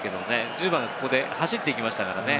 １０番、ここで走っていきましたからね。